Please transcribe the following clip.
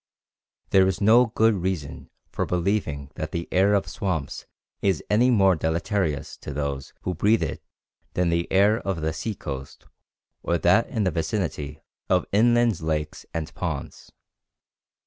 There is no good reason for believing that the air of swamps is any more deleterious to those who breathe it than the air of the sea coast or that in the vicinity of inland lakes and ponds.